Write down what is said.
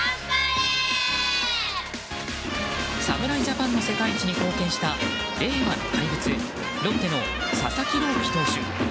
侍ジャパンの世界一に貢献した令和の怪物ロッテの佐々木朗希投手。